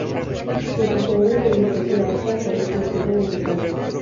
Mientras se hunden en su propia arca, aparece un Sirena y su pareja.